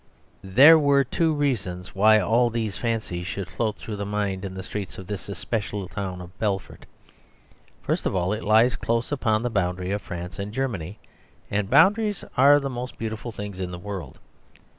..... There were two reasons why all these fancies should float through the mind in the streets of this especial town of Belfort. First of all, it lies close upon the boundary of France and Germany, and boundaries are the most beautiful things in the world.